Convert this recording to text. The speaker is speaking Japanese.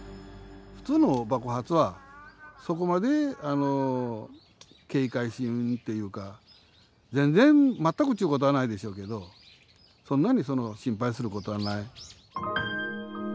普通の爆発はそこまで警戒しんっていうか全然全くっちゅうことはないでしょうけどそんなに心配することはない。